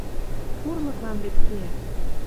Пурлыклан вет кеӓ!